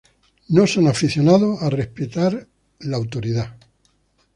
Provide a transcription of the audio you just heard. No son aficionados a respetar la autoridad.